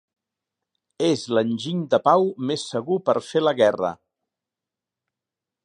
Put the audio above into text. Es l'enginy de pau més segur per fer la guerra